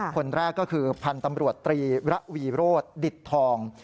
คนแรกก็คือพันธ์ตำรวจตรีระวีโรธดิตทอง